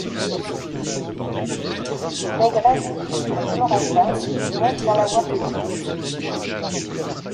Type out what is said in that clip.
Maigret fait suivre Florentin, non sans l'avoir prévenu.